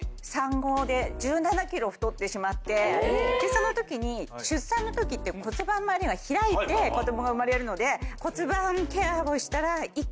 その時に出産の時って骨盤まわりが開いて子供が生まれるので。